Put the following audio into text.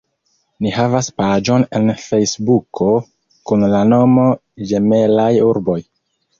Ni havas paĝon en Fejsbuko kun la nomo Ĝemelaj Urboj.